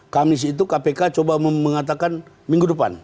kamis itu kpk coba mengatakan minggu depan